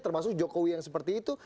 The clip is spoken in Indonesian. termasuk jokowi yang seperti itu